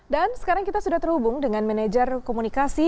dan sekarang kita sudah terhubung dengan manager komunikasi